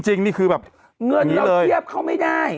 นี่คือแบบเงินเราเทียบเขาไม่ได้